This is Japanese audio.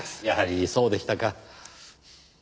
やはりそうでしたか。